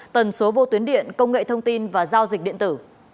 tần số vô tuyến điện công nghệ thông tin và giao dịch điện tử